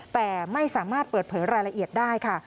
แต่ไม่สามารถเปิดเผยรายละเอียดได้ค่ะ